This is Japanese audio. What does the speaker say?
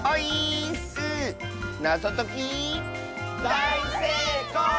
だいせいこう！